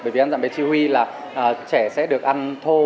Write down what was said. bởi vì ăn dặm tự chỉ huy là trẻ sẽ được ăn thô